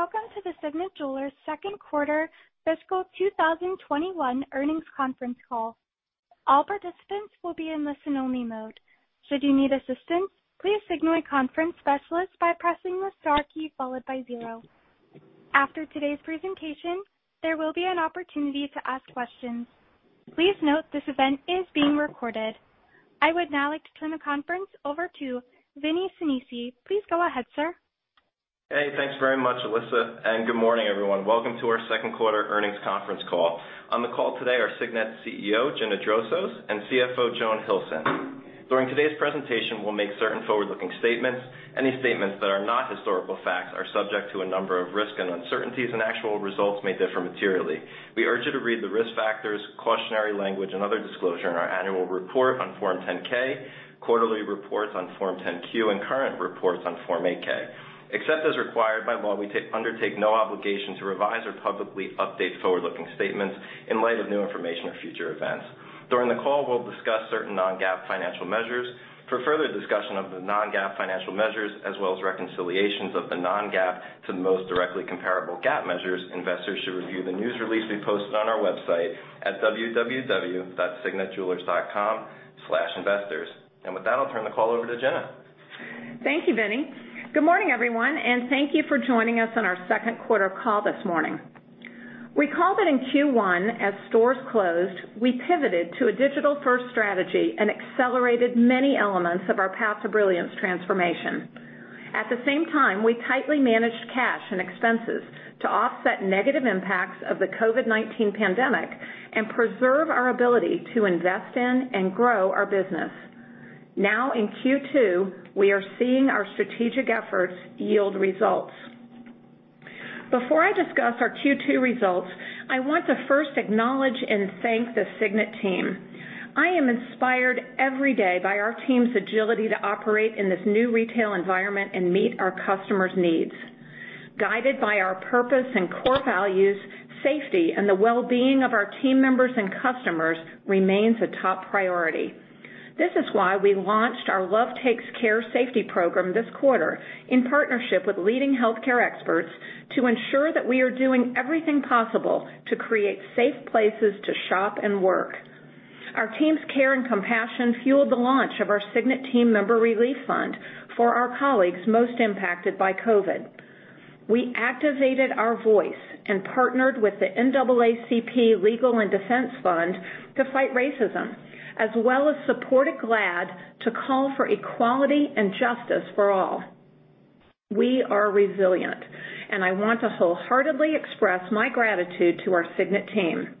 Hello. Welcome to the Signet Jewelers second quarter fiscal 2021 earnings conference call. I would now like to turn the conference over to Vinnie Sinisi. Please go ahead, sir. Hey, thanks very much, Alyssa. Good morning, everyone. Welcome to our second quarter earnings conference call. On the call today are Signet CEO, Gina Drosos, and CFO, Joan Hilson. During today's presentation, we'll make certain forward-looking statements. Any statements that are not historical facts are subject to a number of risks and uncertainties, and actual results may differ materially. We urge you to read the risk factors, cautionary language, and other disclosure in our annual report on Form 10-K, quarterly reports on Form 10-Q, and current reports on Form 8-K. Except as required by law, we undertake no obligation to revise or publicly update forward-looking statements in light of new information or future events. During the call, we'll discuss certain non-GAAP financial measures. For further discussion of the non-GAAP financial measures, as well as reconciliations of the non-GAAP to the most directly comparable GAAP measures, investors should review the news release we posted on our website at www.signetjewelers.com/investors. With that, I'll turn the call over to Gina. Thank you, Vinnie. Good morning, everyone, and thank you for joining us on our second quarter call this morning. We called it in Q1 as stores closed, we pivoted to a digital-first strategy and accelerated many elements of our Path to Brilliance transformation. At the same time, we tightly managed cash and expenses to offset negative impacts of the COVID-19 pandemic and preserve our ability to invest in and grow our business. Now, in Q2, we are seeing our strategic efforts yield results. Before I discuss our Q2 results, I want to first acknowledge and thank the Signet team. I am inspired every day by our team's agility to operate in this new retail environment and meet our customers' needs. Guided by our purpose and core values, safety, and the well-being of our team members and customers remains a top priority. This is why we launched our Love Takes Care safety program this quarter in partnership with leading healthcare experts to ensure that we are doing everything possible to create safe places to shop and work. Our team's care and compassion fueled the launch of our Signet Team Member Relief Fund for our colleagues most impacted by COVID. We activated our voice and partnered with the NAACP Legal and Defense Fund to fight racism, as well as supported GLAAD to call for equality and justice for all. We are resilient, and I want to wholeheartedly express my gratitude to our Signet team.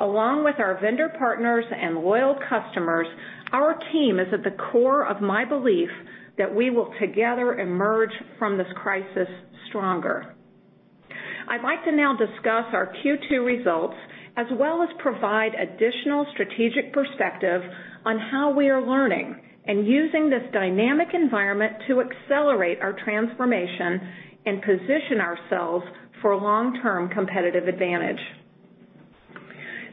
Along with our vendor partners and loyal customers, our team is at the core of my belief that we will together emerge from this crisis stronger. I'd like to now discuss our Q2 results, as well as provide additional strategic perspective on how we are learning and using this dynamic environment to accelerate our transformation and position ourselves for long-term competitive advantage.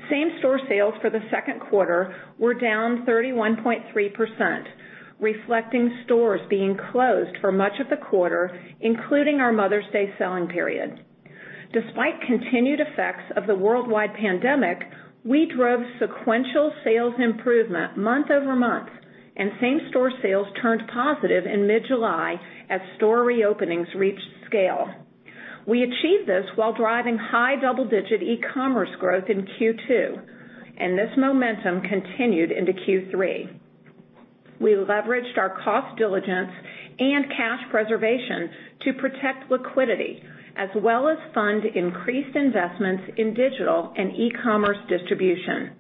Same-store sales for the second quarter were down 31.3%, reflecting stores being closed for much of the quarter, including our Mother's Day selling period. Despite continued effects of the worldwide pandemic, we drove sequential sales improvement month-over-month, and same-store sales turned positive in mid-July as store reopenings reached scale. We achieved this while driving high double-digit e-commerce growth in Q2, and this momentum continued into Q3. We leveraged our cost diligence and cash preservation to protect liquidity, as well as fund increased investments in digital and e-commerce distribution.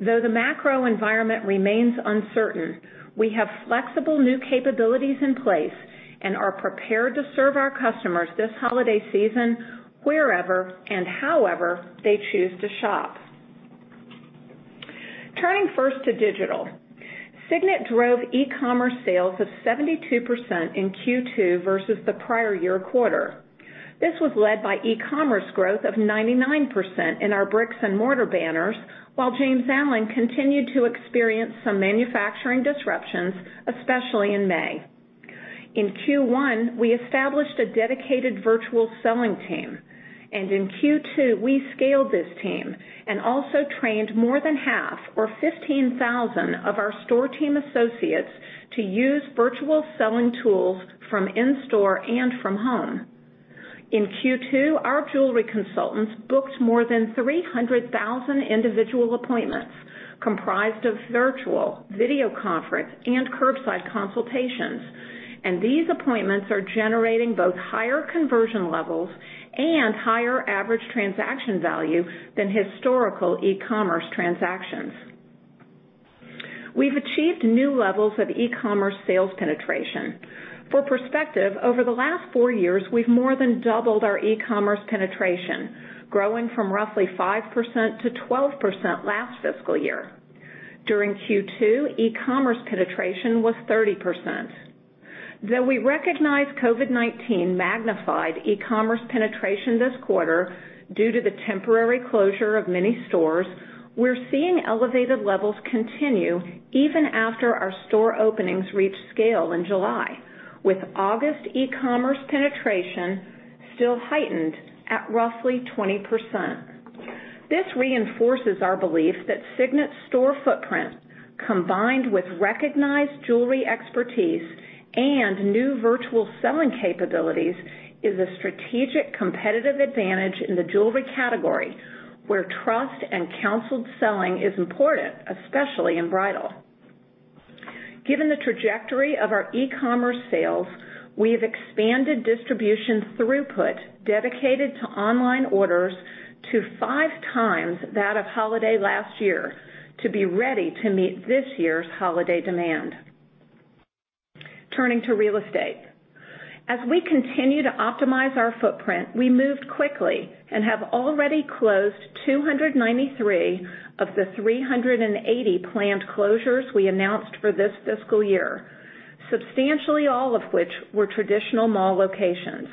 Though the macro environment remains uncertain, we have flexible new capabilities in place and are prepared to serve our customers this holiday season wherever and however they choose to shop. Turning first to digital. Signet drove e-commerce sales of 72% in Q2 versus the prior year quarter. This was led by e-commerce growth of 99% in our bricks-and-mortar banners, while James Allen continued to experience some manufacturing disruptions, especially in May. In Q1, we established a dedicated virtual selling team, and in Q2, we scaled this team and also trained more than half or 15,000 of our store team associates to use virtual selling tools from in-store and from home. In Q2, our jewelry consultants booked more than 300,000 individual appointments comprised of virtual, video conference, and curbside consultations, and these appointments are generating both higher conversion levels and higher average transaction value than historical e-commerce transactions. We've achieved new levels of e-commerce sales penetration. For perspective, over the last four years, we've more than doubled our e-commerce penetration, growing from roughly 5% to 12% last fiscal year. During Q2, e-commerce penetration was 30%. Though we recognize COVID-19 magnified e-commerce penetration this quarter due to the temporary closure of many stores, we're seeing elevated levels continue even after our store openings reached scale in July, with August e-commerce penetration still heightened at roughly 20%. This reinforces our belief that Signet's store footprint, combined with recognized jewelry expertise and new virtual selling capabilities, is a strategic competitive advantage in the jewelry category, where trust and counseled selling is important, especially in bridal. Given the trajectory of our e-commerce sales, we've expanded distribution throughput dedicated to online orders to five times that of holiday last year to be ready to meet this year's holiday demand. Turning to real estate. As we continue to optimize our footprint, we moved quickly and have already closed 293 of the 380 planned closures we announced for this fiscal year, substantially all of which were traditional mall locations.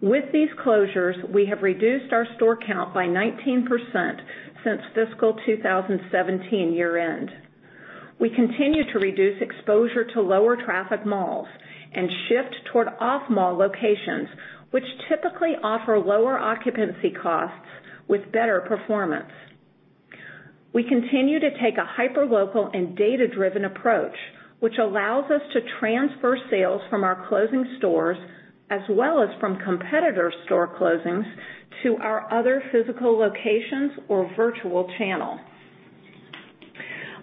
With these closures, we have reduced our store count by 19% since fiscal 2017 year-end. We continue to reduce exposure to lower traffic malls and shift toward off-mall locations, which typically offer lower occupancy costs with better performance. We continue to take a hyper-local and data-driven approach, which allows us to transfer sales from our closing stores as well as from competitor store closings to our other physical locations or virtual channel.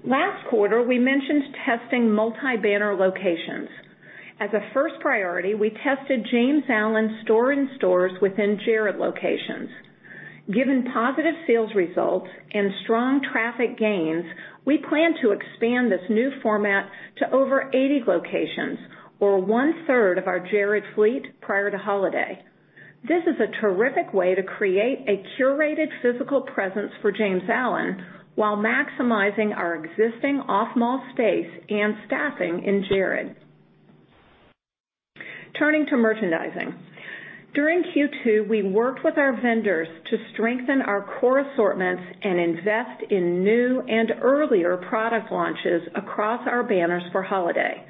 Last quarter, we mentioned testing multi-banner locations. As a first priority, we tested James Allen's store-in-stores within Jared locations. Given positive sales results and strong traffic gains, we plan to expand this new format to over 80 locations or one-third of our Jared fleet prior to holiday. This is a terrific way to create a curated physical presence for James Allen while maximizing our existing off-mall space and staffing in Jared. Turning to merchandising. During Q2, we worked with our vendors to strengthen our core assortments and invest in new and earlier product launches across our banners for holiday.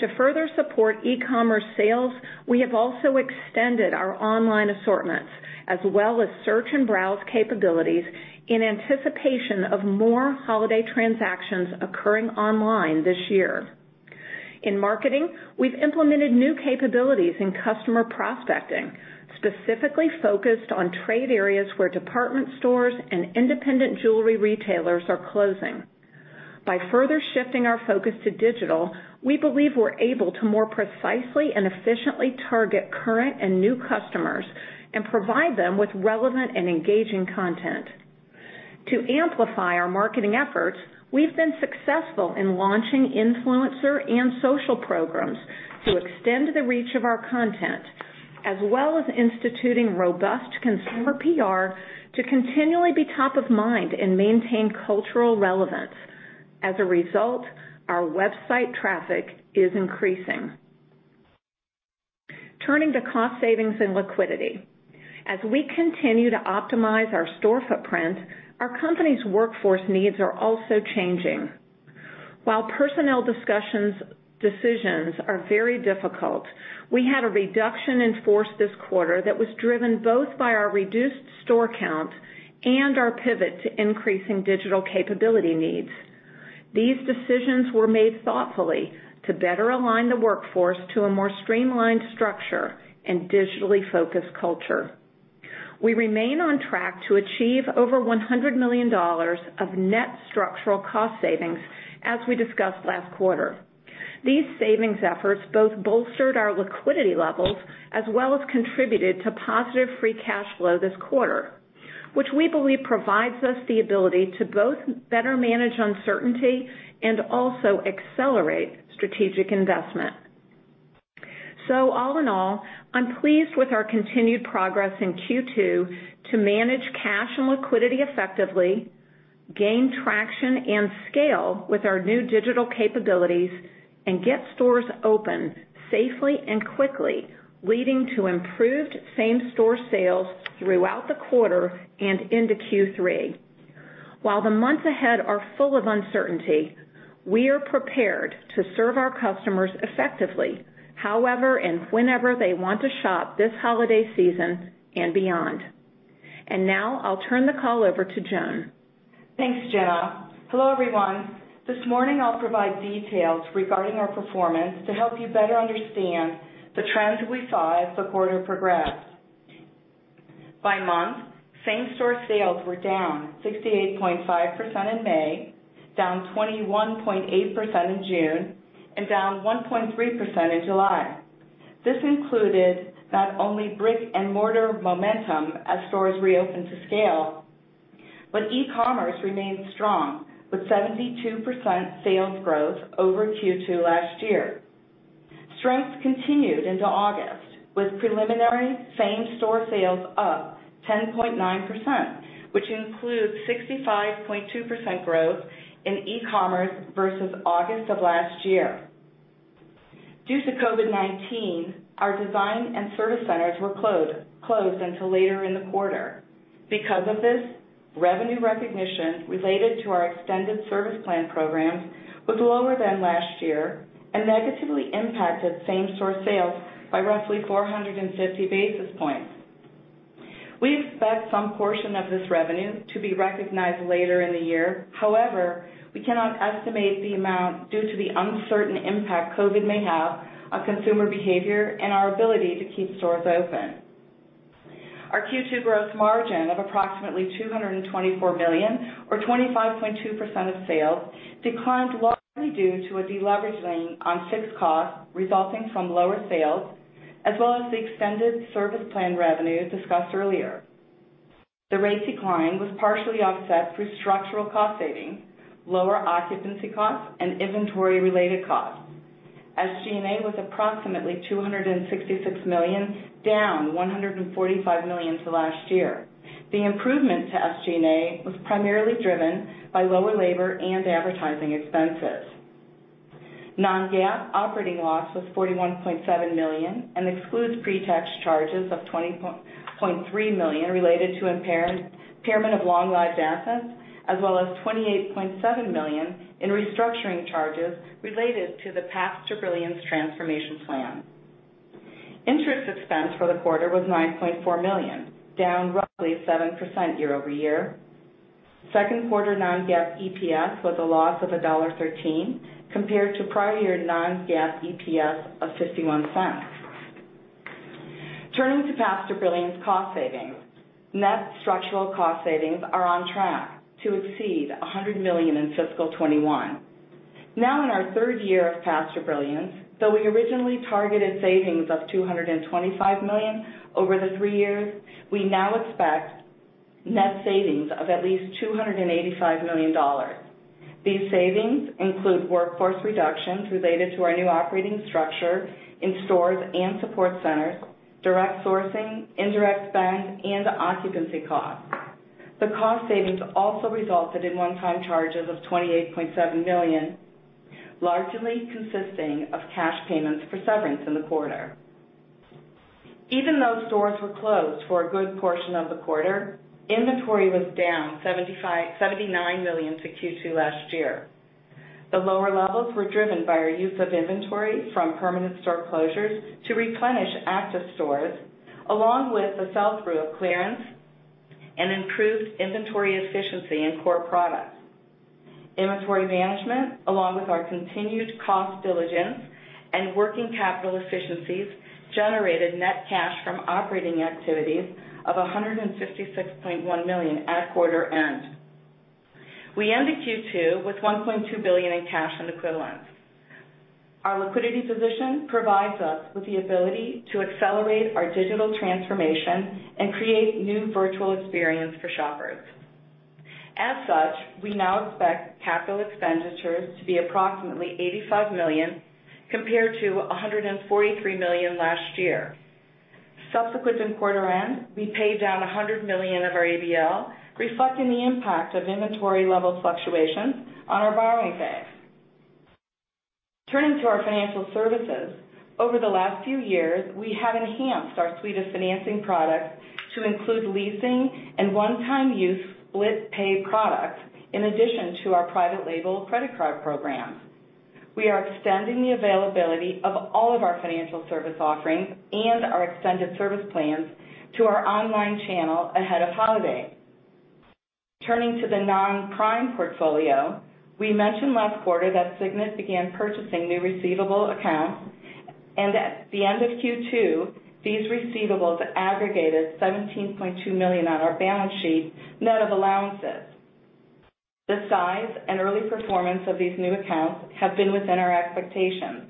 To further support e-commerce sales, we have also extended our online assortments as well as search and browse capabilities in anticipation of more holiday transactions occurring online this year. In marketing, we've implemented new capabilities in customer prospecting, specifically focused on trade areas where department stores and independent jewelry retailers are closing. By further shifting our focus to digital, we believe we're able to more precisely and efficiently target current and new customers and provide them with relevant and engaging content. To amplify our marketing efforts, we've been successful in launching influencer and social programs to extend the reach of our content, as well as instituting robust consumer PR to continually be top of mind and maintain cultural relevance. As a result, our website traffic is increasing. Turning to cost savings and liquidity. As we continue to optimize our store footprint, our company's workforce needs are also changing. While personnel decisions are very difficult, we had a reduction in force this quarter that was driven both by our reduced store count and our pivot to increasing digital capability needs. These decisions were made thoughtfully to better align the workforce to a more streamlined structure and digitally-focused culture. We remain on track to achieve over $100 million of net structural cost savings, as we discussed last quarter. These savings efforts both bolstered our liquidity levels as well as contributed to positive free cash flow this quarter, which we believe provides us the ability to both better manage uncertainty and also accelerate strategic investment. All in all, I'm pleased with our continued progress in Q2 to manage cash and liquidity effectively, gain traction and scale with our new digital capabilities, and get stores open safely and quickly, leading to improved same-store sales throughout the quarter and into Q3. While the months ahead are full of uncertainty, we are prepared to serve our customers effectively, however and whenever they want to shop this holiday season and beyond. Now I'll turn the call over to Joan. Thanks, Gina. Hello, everyone. This morning I'll provide details regarding our performance to help you better understand the trends we saw as the quarter progressed. By month, same-store sales were down 68.5% in May, down 21.8% in June, and down 1.3% in July. This included not only brick-and-mortar momentum as stores reopened to scale, but e-commerce remained strong, with 72% sales growth over Q2 last year. Strength continued into August with preliminary same-store sales up 10.9%, which includes 65.2% growth in e-commerce versus August of last year. Due to COVID-19, our design and service centers were closed until later in the quarter. Because of this, revenue recognition related to our extended service plan programs was lower than last year and negatively impacted same-store sales by roughly 450 basis points. We expect some portion of this revenue to be recognized later in the year. However, we cannot estimate the amount due to the uncertain impact COVID may have on consumer behavior and our ability to keep stores open. Our Q2 gross margin of approximately $224 million or 25.2% of sales declined largely due to a deleveraging on fixed cost resulting from lower sales, as well as the extended service plan revenue discussed earlier. The rate decline was partially offset through structural cost savings, lower occupancy costs, and inventory-related costs. SG&A was approximately $266 million, down $145 million to last year. The improvement to SG&A was primarily driven by lower labor and advertising expenses. non-GAAP operating loss was $41.7 million and excludes pre-tax charges of $20.3 million related to impairment of long-lived assets, as well as $28.7 million in restructuring charges related to the Path to Brilliance transformation plan. Interest expense for the quarter was $9.4 million, down roughly 7% year-over-year. Second quarter non-GAAP EPS was a loss of $1.13 compared to prior year non-GAAP EPS of $0.51. Turning to Path to Brilliance cost savings. Net structural cost savings are on track to exceed $100 million in fiscal 2021. Now in our third year of Path to Brilliance, though we originally targeted savings of $225 million over the three years, we now expect net savings of at least $285 million. These savings include workforce reductions related to our new operating structure in stores and support centers, direct sourcing, indirect spend, and occupancy costs. The cost savings also resulted in one-time charges of $28.7 million, largely consisting of cash payments for severance in the quarter. Even though stores were closed for a good portion of the quarter, inventory was down $75, $79 million to Q2 last year. The lower levels were driven by our use of inventory from permanent store closures to replenish active stores, along with the sell-through of clearance and improved inventory efficiency in core products. Inventory management, along with our continued cost diligence and working capital efficiencies, generated net cash from operating activities of $156.1 million at quarter end. We ended Q2 with $1.2 billion in cash and equivalents. Our liquidity position provides us with the ability to accelerate our digital transformation and create new virtual experience for shoppers. As such, we now expect capital expenditures to be approximately $85 million compared to $143 million last year. Subsequent to quarter end, we paid down $100 million of our ABL, reflecting the impact of inventory level fluctuations on our borrowing base. Turning to our financial services. Over the last few years, we have enhanced our suite of financing products to include leasing and one-time use split pay products, in addition to our private label credit card program. We are extending the availability of all of our financial service offerings and our extended service plans to our online channel ahead of holiday. Turning to the non-prime portfolio. We mentioned last quarter that Signet began purchasing new receivable accounts, and at the end of Q2, these receivables aggregated $17.2 million on our balance sheet, net of allowances. The size and early performance of these new accounts have been within our expectations.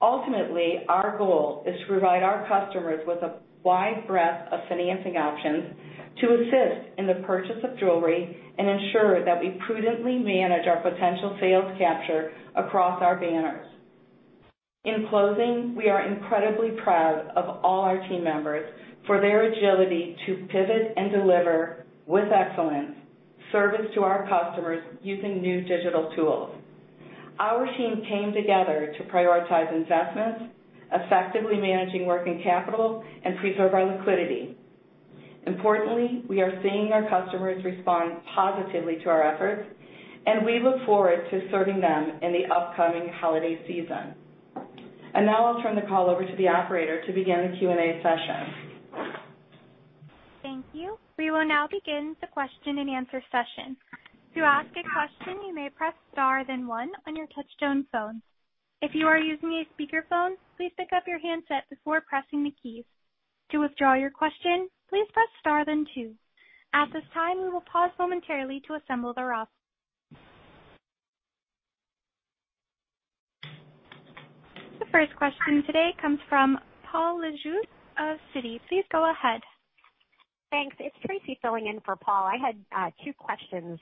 Ultimately, our goal is to provide our customers with a wide breadth of financing options to assist in the purchase of jewelry and ensure that we prudently manage our potential sales capture across our banners. In closing, we are incredibly proud of all our team members for their agility to pivot and deliver with excellence service to our customers using new digital tools. Our team came together to prioritize investments, effectively managing working capital, and preserve our liquidity. Importantly, we are seeing our customers respond positively to our efforts, and we look forward to serving them in the upcoming holiday season. Now I'll turn the call over to the operator to begin the Q&A session. Thank you. We will now begin the question and answer session. To ask a question, you may press star then one on your touchtone phone. If you are using a speakerphone, please pick up your handset before pressing the keys. To withdraw your question, please press star then two. At this time, we will pause momentarily to assemble the roster. The first question today comes from Paul Lejuez of Citi. Please go ahead. Thanks. It's Tracy filling in for Paul. I had two questions.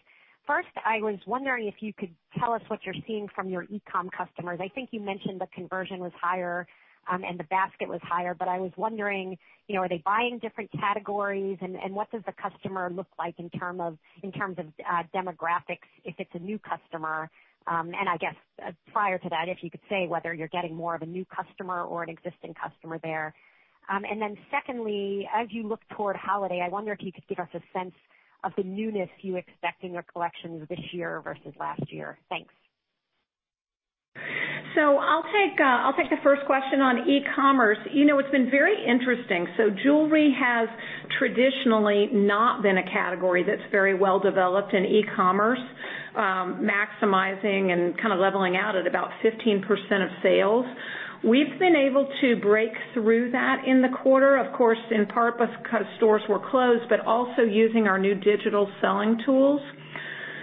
First, I was wondering if you could tell us what you're seeing from your e-com customers. I think you mentioned the conversion was higher, and the basket was higher, but I was wondering, are they buying different categories? What does the customer look like in terms of demographics, if it's a new customer? I guess prior to that, if you could say whether you're getting more of a new customer or an existing customer there. Secondly, as you look toward holiday, I wonder if you could give us a sense of the newness you expect in your collections this year versus last year. Thanks. I'll take the first question on e-commerce. It's been very interesting. Jewelry has traditionally not been a category that's very well developed in e-commerce, maximizing and kind of leveling out at about 15% of sales. We've been able to break through that in the quarter, of course, in part because stores were closed, but also using our new digital selling tools.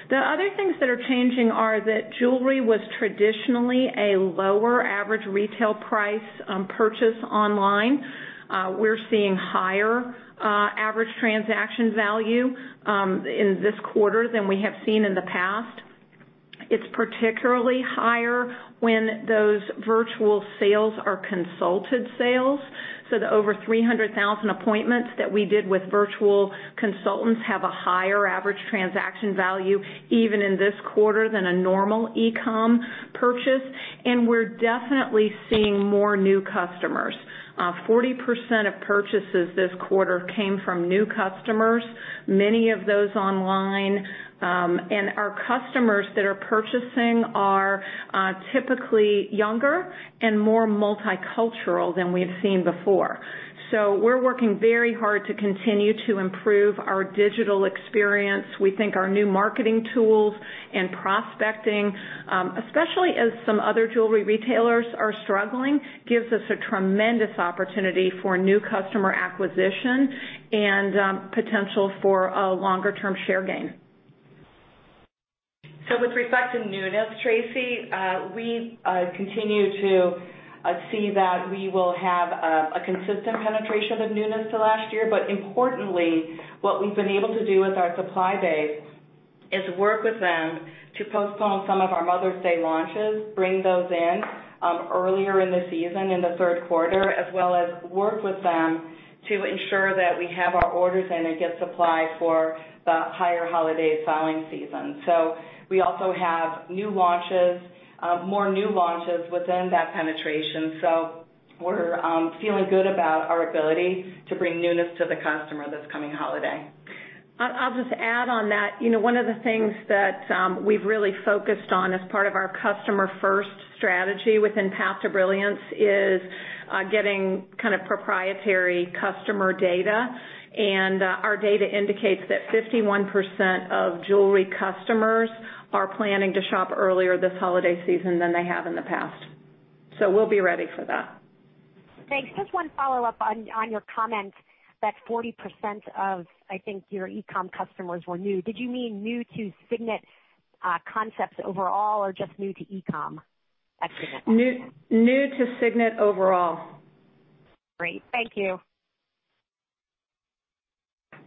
The other things that are changing are that jewelry was traditionally a lower average retail price purchase online. We're seeing higher average transaction value in this quarter than we have seen in the past. It's particularly higher when those virtual sales are consulted sales, so the over 300,000 appointments that we did with virtual consultants have a higher average transaction value even in this quarter than a normal e-com purchase. We're definitely seeing more new customers. 40% of purchases this quarter came from new customers, many of those online. Our customers that are purchasing are typically younger and more multicultural than we've seen before. We're working very hard to continue to improve our digital experience. We think our new marketing tools and prospecting, especially as some other jewelry retailers are struggling, gives us a tremendous opportunity for new customer acquisition and potential for a longer-term share gain. With respect to newness, Tracy, we continue to see that we will have a consistent penetration of newness to last year. Importantly, what we've been able to do with our supply base is work with them to postpone some of our Mother's Day launches, bring those in earlier in the season, in the third quarter, as well as work with them to ensure that we have our orders in and get supply for the higher holiday selling season. We also have more new launches within that penetration. We're feeling good about our ability to bring newness to the customer this coming holiday. I'll just add on that. One of the things that we've really focused on as part of our customer first strategy within Path to Brilliance is getting kind of proprietary customer data. Our data indicates that 51% of jewelry customers are planning to shop earlier this holiday season than they have in the past. We'll be ready for that. Thanks. Just one follow-up on your comment that 40% of, I think your e-com customers were new. Did you mean new to Signet concepts overall or just new to e-com at Signet? New to Signet overall. Great. Thank you.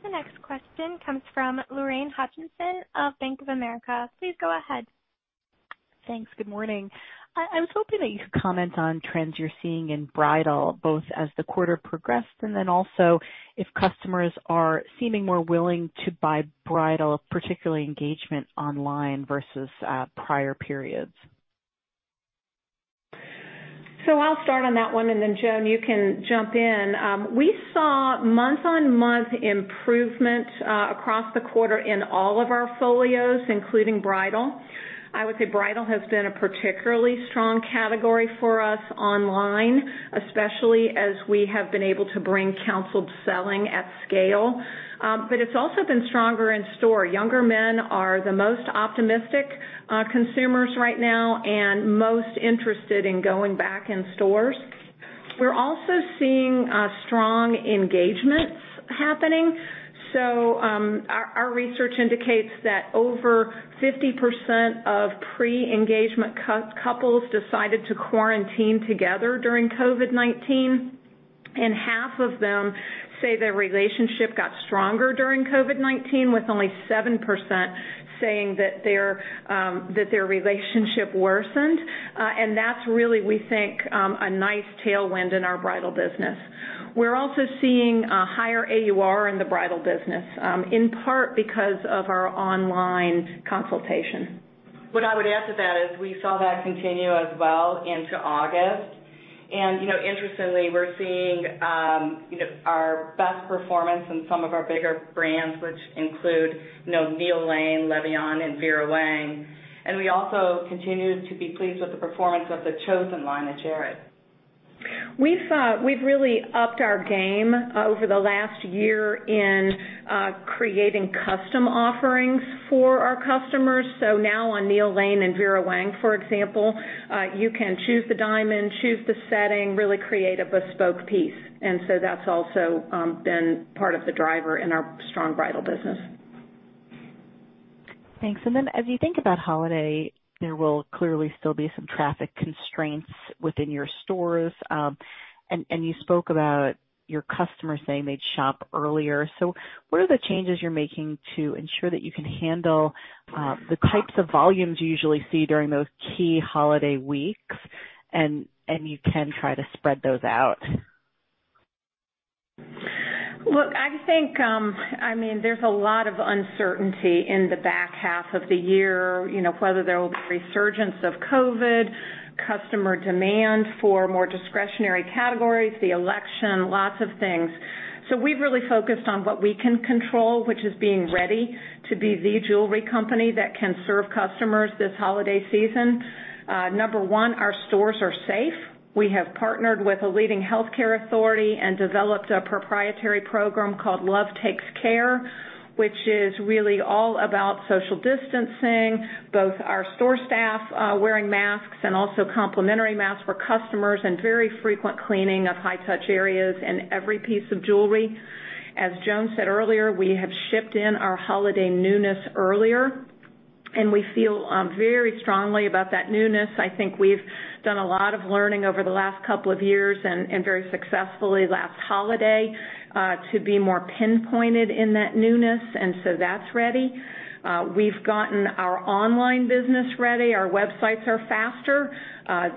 The next question comes from Lorraine Hutchinson of Bank of America. Please go ahead. Thanks. Good morning. I was hoping that you could comment on trends you're seeing in bridal, both as the quarter progressed and then also if customers are seeming more willing to buy bridal, particularly engagement online versus prior periods? I'll start on that one, and then Joan, you can jump in. We saw month-on-month improvement across the quarter in all of our portfolios, including bridal. I would say bridal has been a particularly strong category for us online, especially as we have been able to bring counseled selling at scale. It's also been stronger in store. Younger men are the most optimistic consumers right now and most interested in going back in stores. We're also seeing strong engagements happening. Our research indicates that over 50% of pre-engagement couples decided to quarantine together during COVID-19, and half of them say their relationship got stronger during COVID-19, with only 7% saying that their relationship worsened. That's really, we think, a nice tailwind in our bridal business. We're also seeing a higher AUR in the bridal business, in part because of our online consultation. What I would add to that is we saw that continue as well into August. Interestingly, we're seeing our best performance in some of our bigger brands, which include Neil Lane, Le Vian, and Vera Wang. We also continue to be pleased with the performance of the Chosen line at Jared. We've really upped our game over the last year in creating custom offerings for our customers. Now on Neil Lane and Vera Wang, for example, you can choose the diamond, choose the setting, really create a bespoke piece. That's also been part of the driver in our strong bridal business. Thanks. As you think about holiday, there will clearly still be some traffic constraints within your stores. You spoke about your customers saying they'd shop earlier. What are the changes you're making to ensure that you can handle the types of volumes you usually see during those key holiday weeks and you can try to spread those out? Look, I think there's a lot of uncertainty in the back half of the year, whether there will be a resurgence of COVID, customer demand for more discretionary categories, the election, lots of things. We've really focused on what we can control, which is being ready to be the jewelry company that can serve customers this holiday season. Number one, our stores are safe. We have partnered with a leading healthcare authority and developed a proprietary program called Love Takes Care, which is really all about social distancing, both our store staff wearing masks, and also complimentary masks for customers, and very frequent cleaning of high-touch areas and every piece of jewelry. As Joan said earlier, we have shipped in our holiday newness earlier, and we feel very strongly about that newness. I think we've done a lot of learning over the last couple of years, and very successfully last holiday, to be more pinpointed in that newness. That's ready. We've gotten our online business ready. Our websites are faster.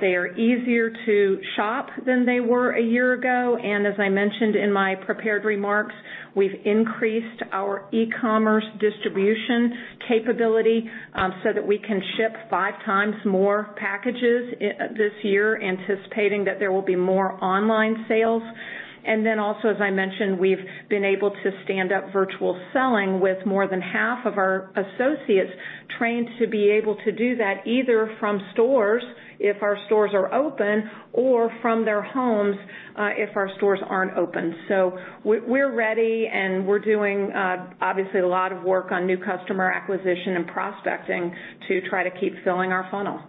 They are easier to shop than they were a year ago. As I mentioned in my prepared remarks, we've increased our e-commerce distribution capability so that we can ship five times more packages this year, anticipating that there will be more online sales. Also, as I mentioned, we've been able to stand up virtual selling with more than half of our associates trained to be able to do that, either from stores if our stores are open or from their homes if our stores aren't open. We're ready, and we're doing, obviously, a lot of work on new customer acquisition and prospecting to try to keep filling our funnel.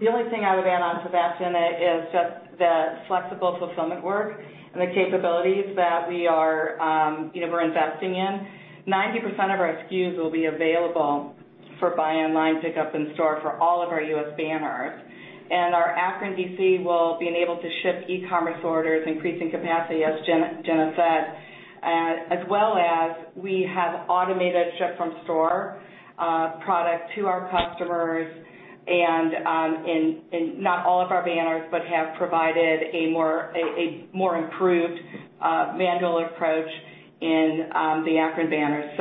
The only thing I would add on to that, Gina, is just the flexible fulfillment work and the capabilities that we're investing in. 90% of our SKUs will be available for buy online, pick up in store for all of our U.S. banners. Our Akron D.C. will be enabled to ship e-commerce orders, increasing capacity, as Gina said, as well as we have automated ship from store product to our customers, and in not all of our banners, but have provided a more improved manual approach in the Akron banners.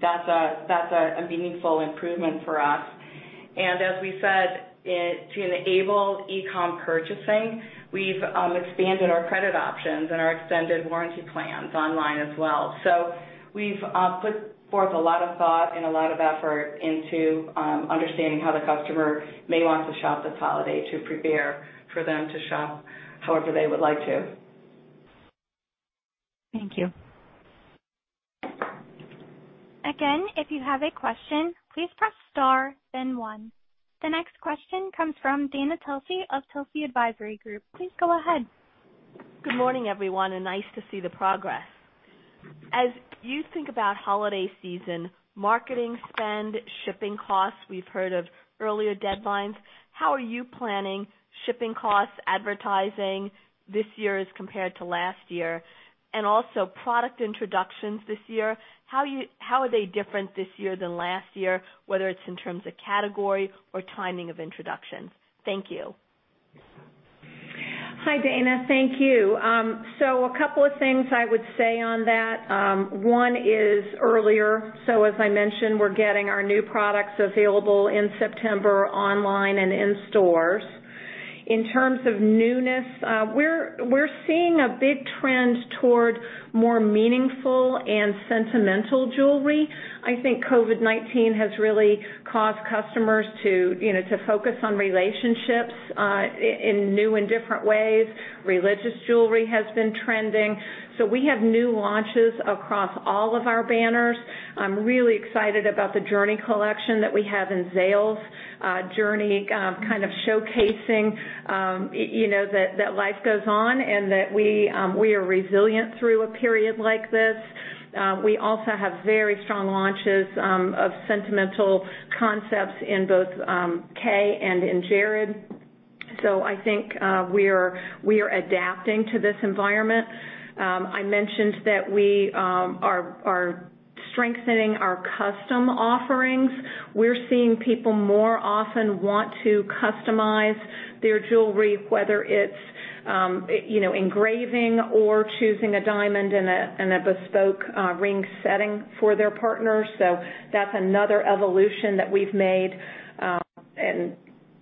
That's a meaningful improvement for us. As we said, to enable e-com purchasing, we've expanded our credit options and our extended warranty plans online as well. We've put forth a lot of thought and a lot of effort into understanding how the customer may want to shop this holiday to prepare for them to shop however they would like to. Thank you. Again, if you have a question, please press star then one. The next question comes from Dana Telsey of Telsey Advisory Group. Please go ahead. Good morning, everyone, and nice to see the progress. As you think about holiday season marketing spend, shipping costs, we've heard of earlier deadlines. How are you planning shipping costs, advertising this year as compared to last year? Also product introductions this year, how are they different this year than last year, whether it's in terms of category or timing of introductions? Thank you. Hi, Dana. Thank you. A couple of things I would say on that. One is earlier. As I mentioned, we're getting our new products available in September online and in stores. In terms of newness, we're seeing a big trend toward more meaningful and sentimental jewelry. I think COVID-19 has really caused customers to focus on relationships, in new and different ways. Religious jewelry has been trending. We have new launches across all of our banners. I'm really excited about the Journey collection that we have in Zales. Journey kind of showcasing that life goes on and that we are resilient through a period like this. We also have very strong launches of sentimental concepts in both Kay and in Jared. I think we are adapting to this environment. I mentioned that we are strengthening our custom offerings. We're seeing people more often want to customize their jewelry, whether it's engraving or choosing a diamond and a bespoke ring setting for their partner. That's another evolution that we've made.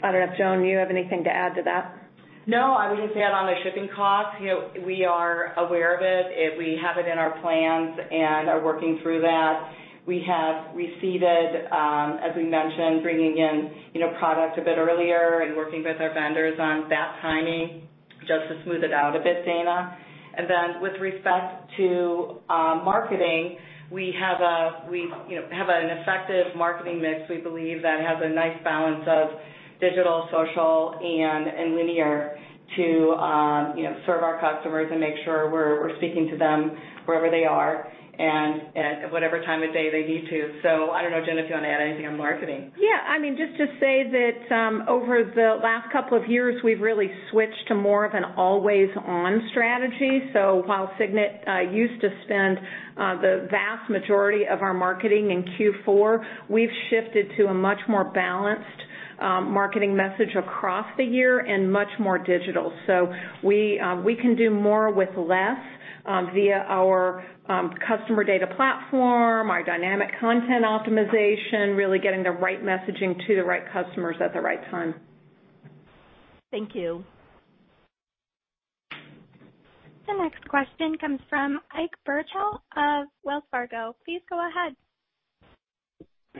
I don't know if, Joan, you have anything to add to that. No, I would just add on the shipping cost. We are aware of it, and we have it in our plans and are working through that. We have receded, as we mentioned, bringing in product a bit earlier and working with our vendors on that timing just to smooth it out a bit, Dana. Then with respect to marketing, we have an effective marketing mix, we believe, that has a nice balance of digital, social, and linear to serve our customers and make sure we're speaking to them wherever they are and at whatever time of day they need to. I don't know, Gina, if you want to add anything on marketing. Yeah. Just to say that over the last couple of years, we've really switched to more of an always-on strategy. While Signet used to spend the vast majority of our marketing in Q4, we've shifted to a much more balanced marketing message across the year and much more digital. We can do more with less via our customer data platform, our dynamic content optimization, really getting the right messaging to the right customers at the right time. Thank you. The next question comes from Ike Boruchow of Wells Fargo. Please go ahead.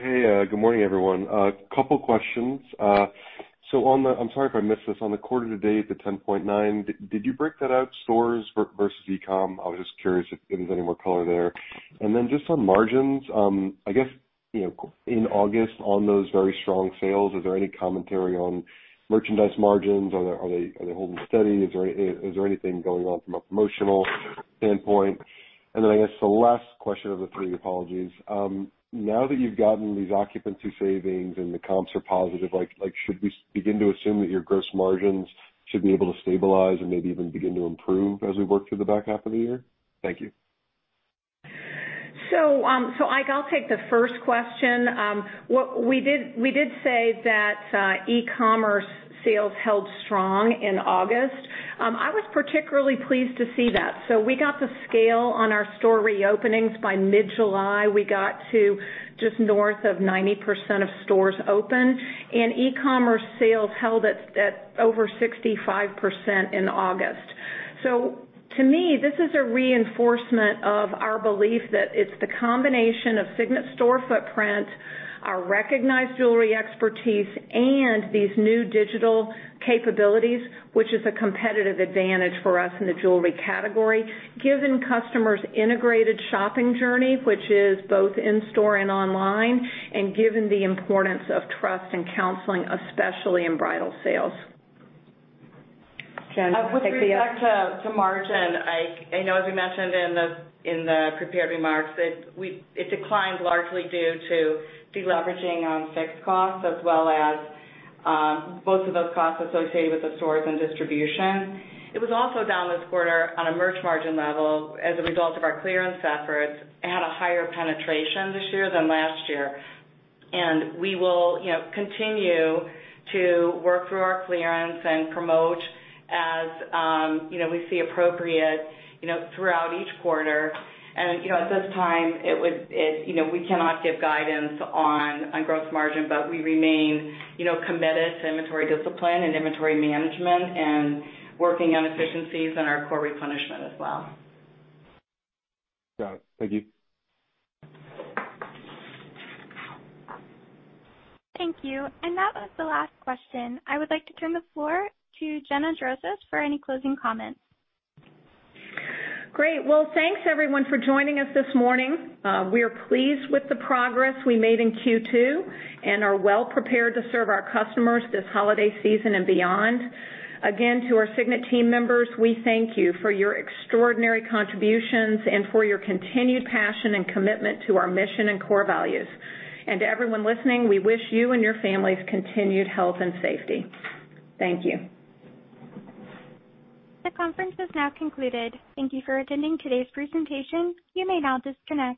Hey, good morning, everyone. A couple questions. I'm sorry if I missed this. On the quarter to date, the 10.9, did you break that out stores versus e-com? I was just curious if there's any more color there. Just on margins, I guess, in August on those very strong sales, is there any commentary on merchandise margins? Are they holding steady? Is there anything going on from a promotional standpoint? I guess the last question of the three, apologies. Now that you've gotten these occupancy savings and the comps are positive, should we begin to assume that your gross margins should be able to stabilize or maybe even begin to improve as we work through the back half of the year? Thank you. Ike, I'll take the first question. We did say that e-commerce sales held strong in August. I was particularly pleased to see that. We got the scale on our store re-openings. By mid-July, we got to just north of 90% of stores open, and e-commerce sales held at over 65% in August. To me, this is a reinforcement of our belief that it's the combination of Signet store footprint, our recognized jewelry expertise, and these new digital capabilities, which is a competitive advantage for us in the jewelry category, given customers' integrated shopping journey, which is both in-store and online, and given the importance of trust and counseling, especially in bridal sales. Joan, take the. With respect to margin, Ike, I know as we mentioned in the prepared remarks that it declined largely due to deleveraging on fixed costs as well as both of those costs associated with the stores and distribution. It was also down this quarter on a merch margin level as a result of our clearance efforts. It had a higher penetration this year than last year. We will continue to work through our clearance and promote as we see appropriate throughout each quarter. At this time, we cannot give guidance on gross margin, but we remain committed to inventory discipline and inventory management and working on efficiencies in our core replenishment as well. Got it. Thank you. Thank you. That was the last question. I would like to turn the floor to Gina Drosos for any closing comments. Great. Well, thanks everyone for joining us this morning. We are pleased with the progress we made in Q2 and are well prepared to serve our customers this holiday season and beyond. Again, to our Signet team members, we thank you for your extraordinary contributions and for your continued passion and commitment to our mission and core values. To everyone listening, we wish you and your families continued health and safety. Thank you. The conference is now concluded. Thank you for attending today's presentation. You may now disconnect.